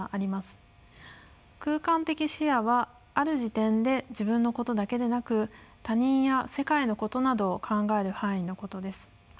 空間的視野はある時点で自分のことだけでなく他人や世界のことなどを考える範囲のことです。